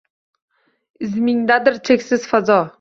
Izmingdadir cheksiz fazo